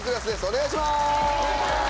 お願いします。